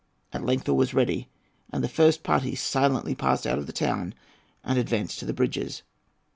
At length all was ready, and the first party silently passed out of the town and advanced to the bridges.